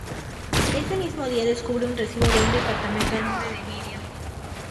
Ese mismo día descubre un recibo de un departamento a nombre de Miriam.